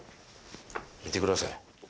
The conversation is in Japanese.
見てください。